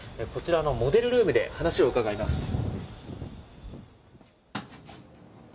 こちらのモデルルームで話を伺います。